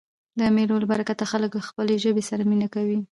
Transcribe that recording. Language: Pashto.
د مېلو له برکته خلک له خپلي ژبي سره مینه کوي.